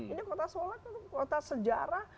ini kota solo kan kota sejarah